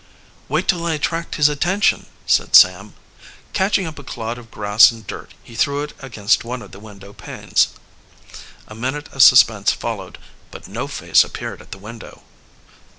"Wait till I attract his attention," said Sam. Catching up a clod of grass and dirt he threw it against one of the window panes. A minute of suspense followed, but no face appeared at the window.